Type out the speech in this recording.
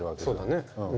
そうだね。